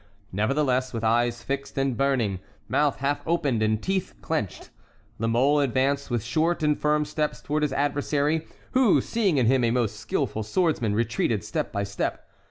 Nevertheless, with eyes fixed and burning, mouth half open, and teeth clenched, La Mole advanced with short and firm steps toward his adversary, who, seeing in him a most skilful swordsman, retreated step by step.